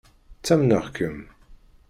Ttamneɣ-kem.